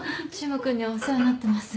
柊磨君にはお世話になってます。